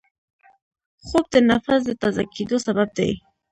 خوب د نفس د تازه کېدو سبب دی